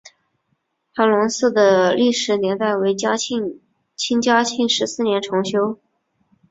韩泷祠的历史年代为清嘉庆十四年重修。